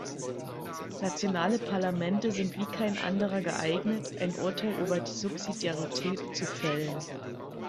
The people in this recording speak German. Nationale Parlamente sind wie kein anderer geeignet, ein Urteil über die Subsidiarität zu fällen.